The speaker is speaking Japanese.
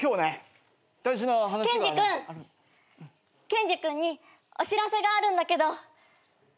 ケンジ君にお知らせがあるんだけど。